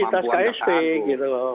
ini bukan kompasitas ksp